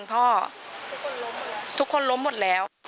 ทุกคนล้มหมดแล้ว